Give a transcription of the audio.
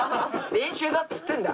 練習だっつってんだ。